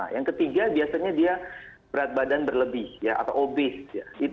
yang ketiga biasanya dia berat badan berlebih atau obes